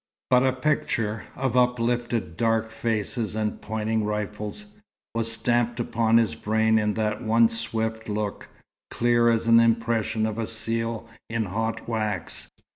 But a picture of uplifted dark faces and pointing rifles was stamped upon his brain in that one swift look, clear as an impression of a seal in hot wax.